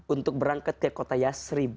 untuk berangkat ke kota yasri